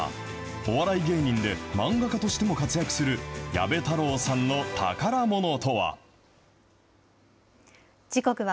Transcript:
お笑い芸人で漫画家としても活躍する矢部太郎さんの宝ものとは。